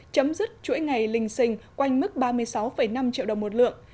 chấm dứt chuỗi ngày lình xình quanh mức ba mươi sáu năm triệu đồng một lượng